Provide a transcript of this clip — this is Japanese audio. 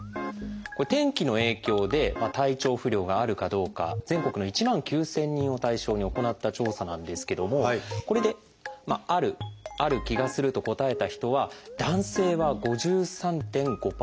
天気の影響で体調不良があるかどうか全国の１万９，０００人を対象に行った調査なんですけどもこれで「ある」「ある気がする」と答えた人は男性は５３．５％。